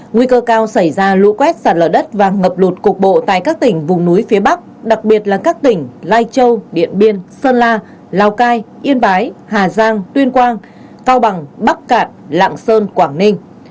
nguy cơ cao xảy ra lũ quét sạt lở đất và ngập lụt cục bộ tại các tỉnh vùng núi phía bắc đặc biệt là các tỉnh lai châu điện biên sơn la lào cai yên bái hà giang tuyên quang cao bằng bắc cạn lạng sơn quảng ninh